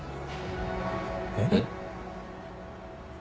えっ？